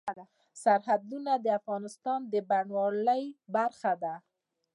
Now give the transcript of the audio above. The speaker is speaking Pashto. سرحدونه د افغانستان د بڼوالۍ برخه ده.